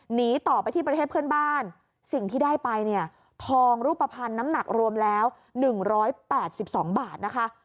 หนีต่อไปที่ประเทศเพื่อนบ้านสิ่งที่ได้ไปเนี่ยทองรูปภัณฑ์น้ำหนักรวมแล้ว๑๘๒บาทนะคะ